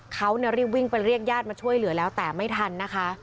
เขารีบวิ่งไปเรียกญาติมาช่วยเหลือแล้วแต่ไม่ทันนะคะ